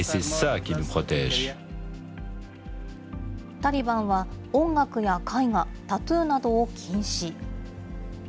タリバンは、音楽や絵画、タトゥーなどを禁止。